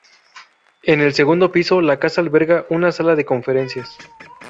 En el segundo piso la casa alberga una sala de conferencias.